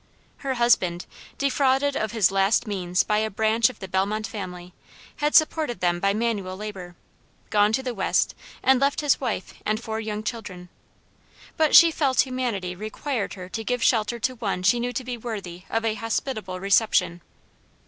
Her husband, defrauded of his last means by a branch of the Bellmont family, had supported them by manual labor, gone to the West, and left his wife and four young children. But she felt humanity required her to give a shelter to one she knew to be worthy of a hospitable reception.